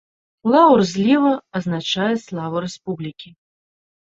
Лаўр злева азначае славу рэспублікі.